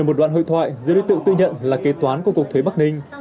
vừa rồi là một đoạn hội thoại giữa đối tượng tư nhận là kế toán của cục thuế bắc ninh